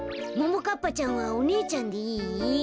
ももかっぱちゃんはおねえちゃんでいい？